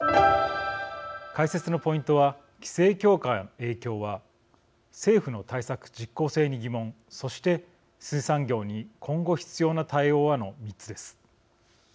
解説のポイントは規制強化の影響は政府の対策、実効性に疑問そして、水産業に今後、必要な対応は、の３つです。